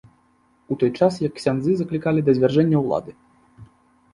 У той час як ксяндзы заклікалі да звяржэння ўлады.